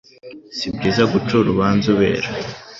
Si byiza guca urubanza ubera